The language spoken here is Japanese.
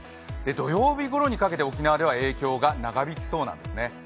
土曜日ごろにかけて沖縄では影響が長引きそうなんですね。